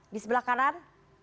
di sebelah kanan